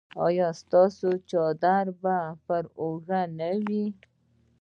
ایا ستاسو څادر به پر اوږه نه وي؟